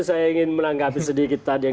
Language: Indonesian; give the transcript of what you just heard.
saya ingin menanggapi sedikit tadi yang